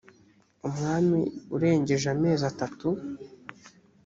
umwana urengeje amezi atatu